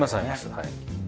はい。